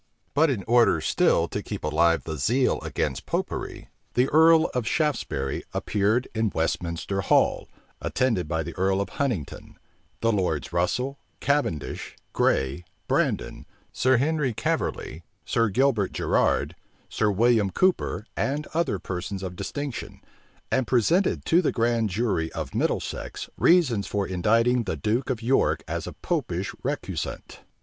But in order still to keep alive the zeal against Popery, the earl of Shaftesbury appeared in Westminster Hall, attended by the earl of Huntingdon, the lords Russel, Cavendish, Grey, Brandon, Sir Henry Caverly, Sir Gilbert Gerrard, Sir William Cooper, and other persons of distinction, and presented to the grand jury of Middlesex reasons for indicting the duke of York as a Popish recusant.